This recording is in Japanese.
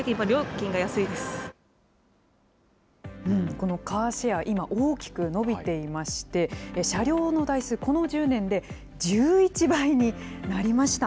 このカーシェア、今大きく伸びていまして、車両の台数、この１０年で１１倍になりました。